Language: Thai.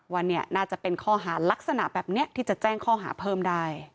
ว่าเนี่ยน่าจะเป็นข้อหารักษณะแบบนี้ที่จะแจ้งข้อหาเพิ่มได้